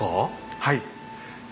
はい。